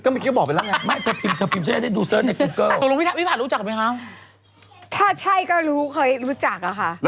ไม่มีภาพเลยโอเคจบ